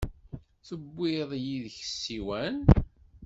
Tewwiḍ yid-k ssiwan?